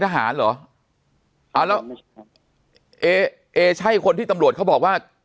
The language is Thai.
ทหารนะครับไม่ใช่ทหารเหรอเอใช่คนที่ตำรวจเขาบอกว่า